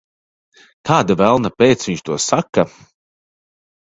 Kāda velna pēc viņš to saka?